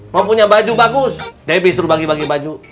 mau punya baju bagus debi suruh bagi bagi baju